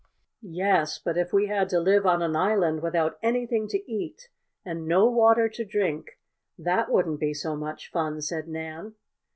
"Yes, but if we had to live on an island without anything to eat and no water to drink, that wouldn't be so much fun," said Nan.